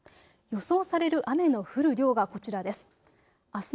予想される雨の降る量がこちらです。